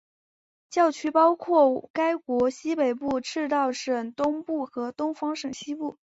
教区包括该国西北部赤道省东部和东方省西部。